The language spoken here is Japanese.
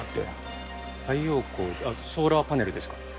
太陽光ソーラーパネルですか？